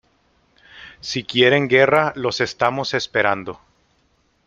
Si quieren guerra los estamos esperando".